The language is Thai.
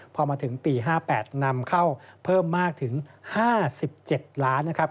พอมาถึงปี๕๘นำเข้าเพิ่มมากถึง๕๗ล้านนะครับ